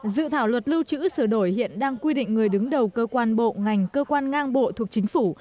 dự thảo luật lưu trữ sửa đổi hiện đang quy định người đứng đầu cơ quan bộ ngành cơ quan ngang bộ thuộc chính phủ